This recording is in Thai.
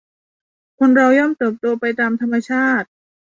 คนเราย่อมเติบโตไปตามธรรมชาติ